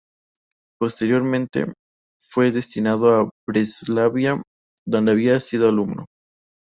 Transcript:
Posteriormente, fue destinado a Breslavia, donde había sido alumno.